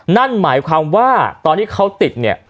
นั่นหมายความว่าตอนที่เขาติดเนี่ย